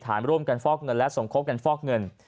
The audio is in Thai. ฐานร่วมกันฟอกเงินและสมคบกันฟอกเงิน